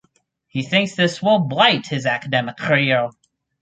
He thinks this will blight his academic career.